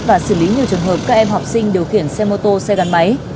và xử lý nhiều trường hợp các em học sinh điều khiển xe mô tô xe gắn máy